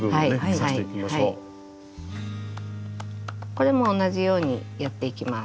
これも同じようにやっていきます。